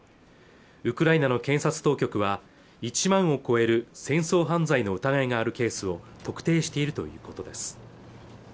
ウクライナの検察当局は１万を超える戦争犯罪の疑いがあるケースを特定しているということです